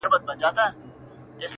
يوه ورځ چي گيند را خوشي سو ميدان ته،